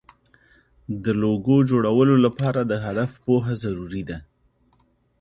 د لوګو جوړولو لپاره د هدف پوهه ضروري ده.